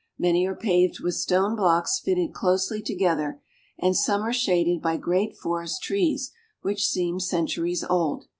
Many are paved with stone blocks fitted closely together, and some are shaded by great forest trees which seem centuries old.